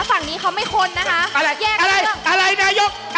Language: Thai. ฝั่งนี้เขาไม่คนนะฮะ